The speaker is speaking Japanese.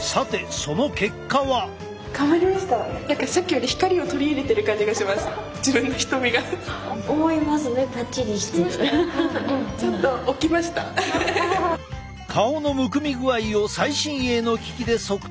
さてその顔のむくみ具合を最新鋭の機器で測定。